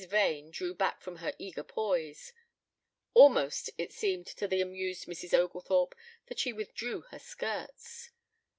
Vane drew back from her eager poise. Almost it seemed to the amused Mrs. Oglethorpe that she withdrew her skirts.